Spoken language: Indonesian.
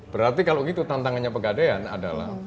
berarti kalau gitu tantangannya pegadaian adalah